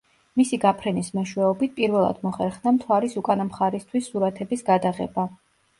მისი გაფრენის მეშვეობით პირველად მოხერხდა მთვარის უკანა მხარისთვის სურათების გადაღება.